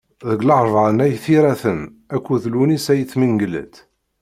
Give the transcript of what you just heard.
Deg Larebɛa n At Yiraten, akked Lewnis Ayit Mengellat.